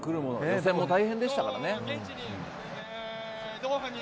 予選も大変でしたからね。